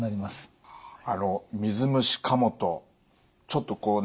水虫かもとちょっとこうね